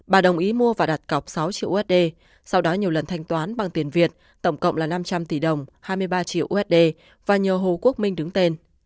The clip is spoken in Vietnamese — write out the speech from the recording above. bà đồng ý mua và đặt cọc sáu triệu usd sau đó nhiều lần thanh toán bằng tiền việt tổng cộng là năm trăm linh tỷ đồng hai mươi ba triệu usd và nhờ hồ quốc minh đứng tên